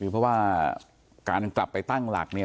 เพราะว่าการกลับไปตั้งหลักเนี่ย